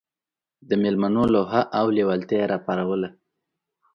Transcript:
د مېلمنو لوهه او لېوالتیا یې راپاروله.